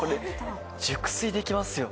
熟睡できますよ。